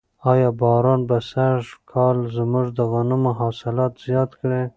آیا باران به سږکال زموږ د غنمو حاصلات زیات کړي؟